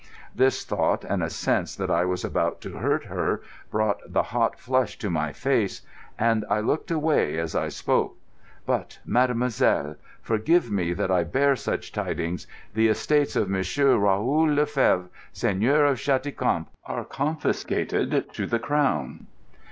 This thought, and a sense that I was about to hurt her, brought the hot flush to my face; and I looked away as I spoke. "But, mademoiselle—forgive me that I bear such tidings—the estates of Monsieur Raoul le Fevre, Seigneur of Cheticamp, are confiscated to the Crown."